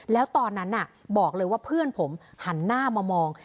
แล้วตอนนั้นบอกเลยว่าเพื่อนผมหันหน้ามามอง